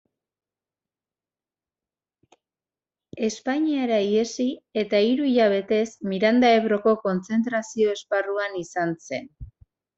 Espainiara ihesi eta, hiru hilabetez, Miranda Ebroko kontzentrazio-esparruan izan zen.